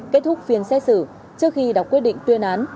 kết thúc phiên xét xử trước khi đọc quyết định tuyên án